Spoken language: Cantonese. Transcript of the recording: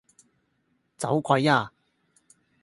走鬼吖